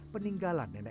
peninggalan nenek moyang